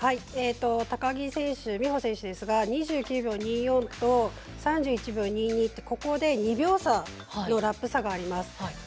高木美帆選手ですが２９秒２４と３１秒２２とここで２秒差のラップ差があります。